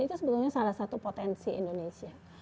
itu sebetulnya salah satu potensi indonesia